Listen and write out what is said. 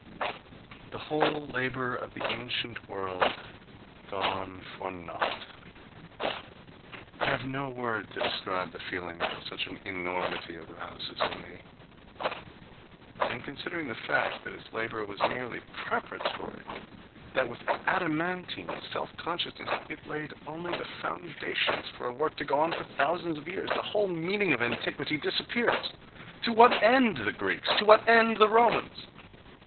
The whole labour of the ancient world gone for naught: I have no word to describe the feelings that such an enormity arouses in me.—And, considering the fact that its labour was merely preparatory, that with adamantine self consciousness it laid only the foundations for a work to go on for thousands of years, the whole meaning of antiquity disappears!... To what end the Greeks? to what end the Romans?